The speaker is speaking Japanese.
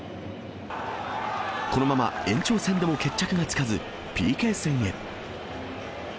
このまま延長戦でも決着がつかず、ＰＫ戦へ。